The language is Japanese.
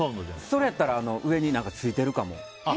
それやったら上についてるかも。